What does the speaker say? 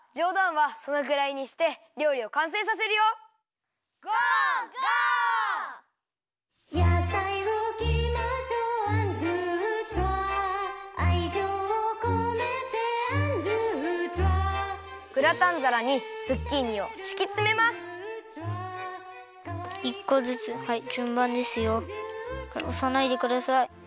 はいおさないでください。